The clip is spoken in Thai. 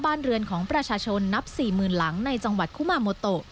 บ้านเรือนของประชาชนนับ๔๐๐๐หลังในจังหวัดคุมาโมโต